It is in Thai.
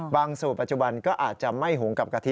สูตรปัจจุบันก็อาจจะไม่หุงกับกะทิ